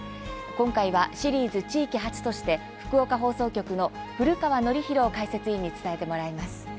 今回はシリーズ地域発として福岡放送局の古川憲洋解説委員に伝えてもらいます。